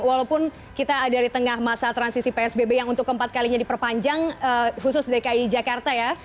walaupun kita ada di tengah masa transisi psbb yang untuk keempat kalinya diperpanjang khusus dki jakarta ya